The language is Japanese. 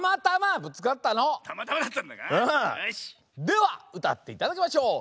ではうたっていただきましょう。